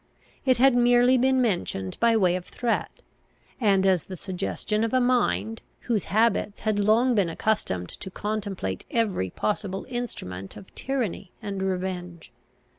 It had merely been mentioned by way of threat, and as the suggestion of a mind, whose habits had long been accustomed to contemplate every possible instrument of tyranny and revenge.